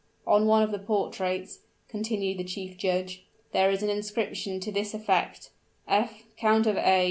"On one of the portraits," continued the chief judge, "there is an inscription to this effect, _F., Count of A.